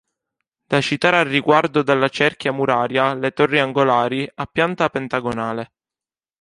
Da citare al riguardo della cerchia muraria, le torri angolari, a pianta pentagonale.